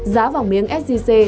giá vòng miếng sgc